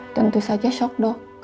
tentu saja shock dok